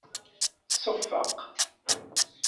Tseffeq.